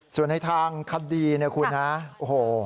ส่วนในทางคดีเนี่ยคุณนะโอ้โห